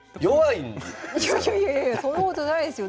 いやいやいやそんなことないですよ。